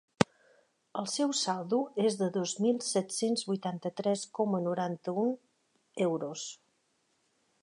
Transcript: El seu saldo és de dos mil set-cents vuitanta-tres coma noranta-u euros.